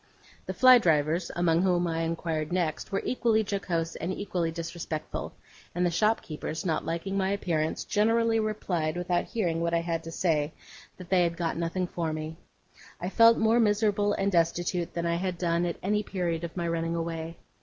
The fly drivers, among whom I inquired next, were equally jocose and equally disrespectful; and the shopkeepers, not liking my appearance, generally replied, without hearing what I had to say, that they had got nothing for me. I felt more miserable and destitute than I had done at any period of my running away.